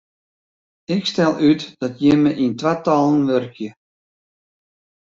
Ik stel út dat jimme yn twatallen wurkje.